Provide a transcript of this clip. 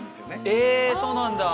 えそうなんだ。